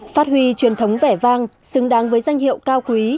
phát huy truyền thống vẻ vang xứng đáng với danh hiệu cao quý